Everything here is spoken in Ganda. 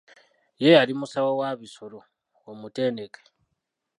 Ye yali musawo wa bisolo, omutendeke.